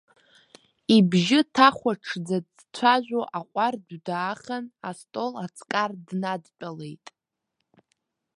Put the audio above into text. Ибжьы ҭахәаҽӡа дцәажәо аҟәардә даахан, астол аҵкар днадтәалеит.